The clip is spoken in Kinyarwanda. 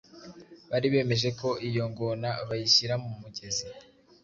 bari bemeje ko iyo ngona bayishyira mu mugezi